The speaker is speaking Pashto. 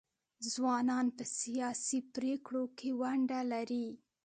ځوانان په سیاسي پریکړو کې ونډه لري.